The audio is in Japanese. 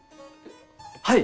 はい！